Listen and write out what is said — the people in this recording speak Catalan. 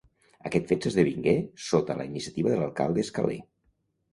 Aquest fet s'esdevingué sota la iniciativa de l'alcalde Escalé.